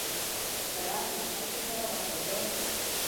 سړک له خلکو سره وفادار دی.